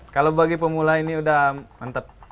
kalau bagi pemula ini sudah mantap